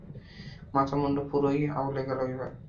মাথা-মুণ্ডু পুরোই আউলে গেল এইবার!